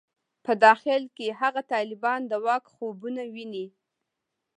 په داخل کې هغه طالبان د واک خوبونه ویني.